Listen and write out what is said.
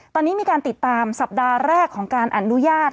ตอนนี้มีการติดตามสัปดาห์แรกของการอนุญาต